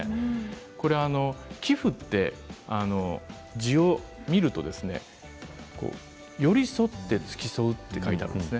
これは寄付というのは字を見ると寄り添って付き添うと書いてあるんですね。